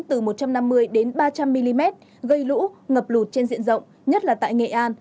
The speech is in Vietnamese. từ một trăm năm mươi đến ba trăm linh mm gây lũ ngập lụt trên diện rộng nhất là tại nghệ an